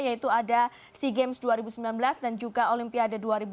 yaitu ada sea games dua ribu sembilan belas dan juga olimpiade dua ribu dua puluh